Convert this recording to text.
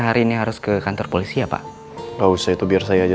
kamu selalu ada